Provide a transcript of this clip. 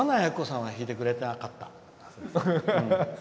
諏訪内晶子さんは弾いてくれなかった。